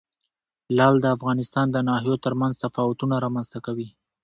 لعل د افغانستان د ناحیو ترمنځ تفاوتونه رامنځ ته کوي.